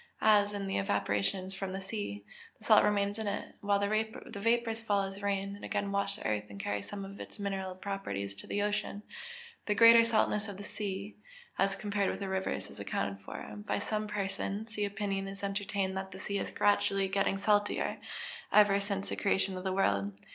As, in the evaporations from the sea, the salt remains in it, while the vapours fall as rain, and again wash the earth and carry some of its mineral properties to the ocean, the greater saltness of the sea, as compared with rivers, is accounted for. By some persons the opinion is entertained that the sea has been gradually getting salter ever since the creation of the world.